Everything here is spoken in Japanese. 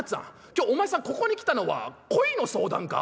今日お前さんここに来たのは恋の相談か？」。